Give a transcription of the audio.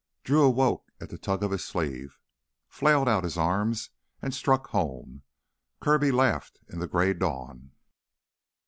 Drew awoke at a tug of his sleeve, flailed out his arm, and struck home. Kirby laughed in the gray dawn.